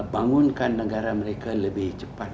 bangunkan negara mereka lebih cepat